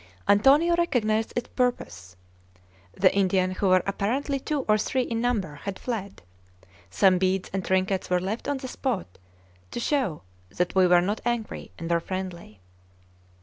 Antonio recognized its purpose. The Indians, who were apparently two or three in number, had fled. Some beads and trinkets were left on the spot to show that we were not angry and were friendly.